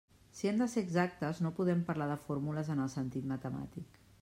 Si hem de ser exactes, no podem parlar de fórmules en el sentit matemàtic.